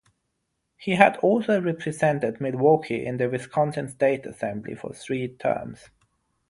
He had also represented Milwaukee in the Wisconsin State Assembly for three terms.